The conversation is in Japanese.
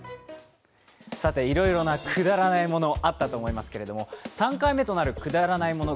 いろいろなくだらないものあったと思いますけれども、３回目となるくだらないもの